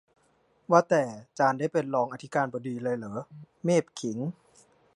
ว่าแต่จารย์ได้เป็นรองอธิการบดีเลยเหรอ เมพขิง